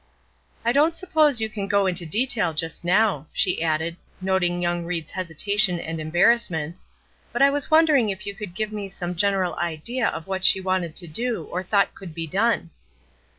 "I don't suppose you can go into detail just now," she added, noting young Ried's hesitation and embarrassment; "but I was wondering if you could give me some general idea of what she wanted to do, or thought could be done."